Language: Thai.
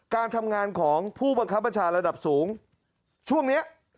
การทำงานของผู้บังคับบัญชาระดับสูงช่วงเนี้ย